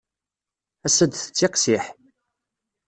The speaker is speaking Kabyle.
Ass-a ad d-tettiqsiḥ.